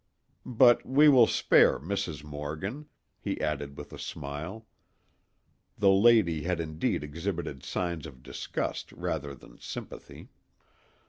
But we will spare Mrs. Morgan," he added with a smile. The lady had indeed exhibited signs of disgust rather than sympathy.